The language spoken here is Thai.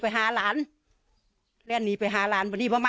ภรรยาก็บอกว่านายเทวีอ้างว่าไม่จริงนายทองม่วนขโมย